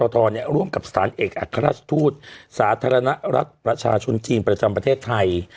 ร่วมกับสถานเอกอัครราชทูตสาธารณรัฐประชาชนจีนประจำประเทศไทย